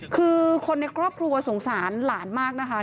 คือคนในครอบครัวสงสารหลานมากนะคะ